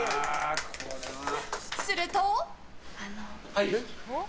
すると。